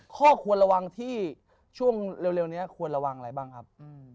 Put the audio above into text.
ข้อควรระวังที่ช่วงเร็วนี้ควรระวังอะไรบ้างครับ